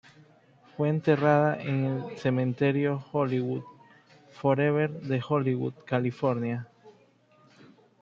Fue enterrada en el Cementerio Hollywood Forever de Hollywood, California.